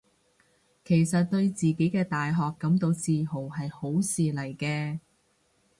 其實對自己嘅大學感到自豪係好事嚟嘅